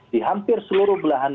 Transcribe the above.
di hampir seluruh belahan